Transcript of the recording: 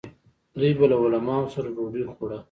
دوی به له علماوو سره ډوډۍ خوړه.